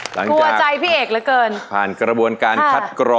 กลัวใจพี่เอกเหลือเกินผ่านกระบวนการคัดกรอง